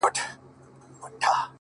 غټي سترگي شينكى خال د چا د ياد،